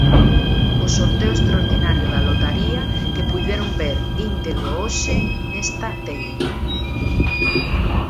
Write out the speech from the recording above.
O Sorteo Extraordinario da Lotaría que puideron ver íntegro hoxe nesta tele.